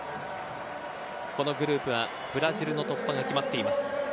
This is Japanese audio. このグループはブラジルの突破が決まっています。